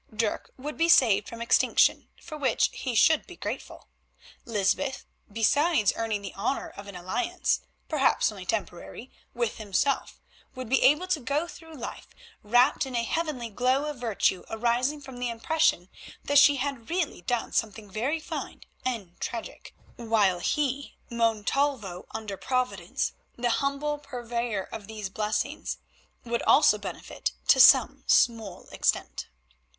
Dirk would be saved from extinction for which he should be grateful: Lysbeth, besides earning the honour of an alliance, perhaps only temporary, with himself, would be able to go through life wrapped in a heavenly glow of virtue arising from the impression that she had really done something very fine and tragic, while he, Montalvo, under Providence, the humble purveyor of these blessings, would also benefit to some small extent.